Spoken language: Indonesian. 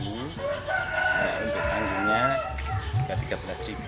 untuk anggotanya rp tiga belas